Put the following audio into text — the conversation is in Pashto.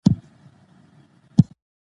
که سند تایید شي نو کار پیلیږي.